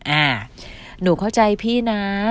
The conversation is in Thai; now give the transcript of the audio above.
อ่าหนูเข้าใจพี่นะ